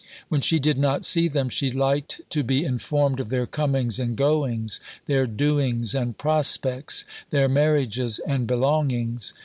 When she did not see them, she liked to be informed of their comings and goings, their doings and prospects, their marriages and belongings.